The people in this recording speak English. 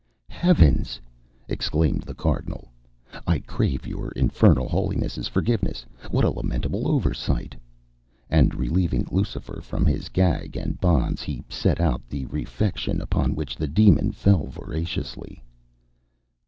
"Heavens!" exclaimed the Cardinal, "I crave your Infernal Holiness's forgiveness. What a lamentable oversight!" And, relieving Lucifer from his gag and bonds, he set out the refection, upon which the demon fell voraciously.